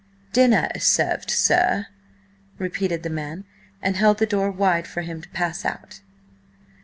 "Dinner is served, sir," repeated the man, and held the door wide for him to pass out.